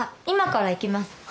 今から行きます。